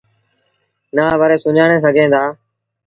نآ وري سُڃآڻي سگھينٚ دآ